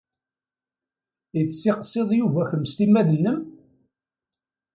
I tessiqsiḍ Yuba kemm s timmad-nnem?